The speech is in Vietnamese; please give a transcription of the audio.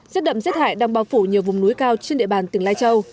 rết đậm rét hại đang bao phủ nhiều vùng núi cao trên địa bàn tỉnh lai châu